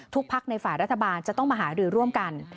พักในฝ่ายรัฐบาลจะต้องมาหารือร่วมกัน